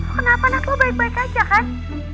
kenapa nat lo baik baik aja kan